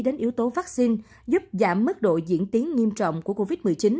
đến yếu tố vaccine giúp giảm mức độ diễn tiến nghiêm trọng của covid một mươi chín